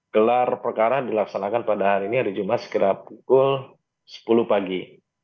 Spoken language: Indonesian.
gelar perkara dilaksanakan pada hari ini hari jumat sekitar pukul sepuluh pagi